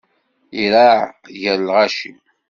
Iraε gar lɣaci.